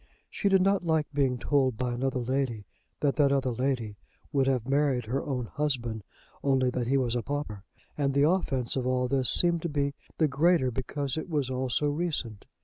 She did not like being told by another lady that that other lady would have married her own husband, only that he was a pauper; and the offence of all this seemed to be the greater because it was all so recent.